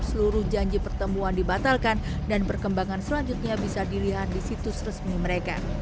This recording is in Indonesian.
seluruh janji pertemuan dibatalkan dan perkembangan selanjutnya bisa dilihat di situs resmi mereka